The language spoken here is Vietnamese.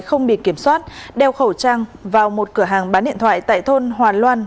không bị kiểm soát đeo khẩu trang vào một cửa hàng bán điện thoại tại thôn hòa loan